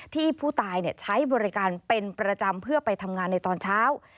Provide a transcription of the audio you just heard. ที่ผู้ตายใช้บริการเป็นประจำเพื่อไปทำงานในตอนเช้า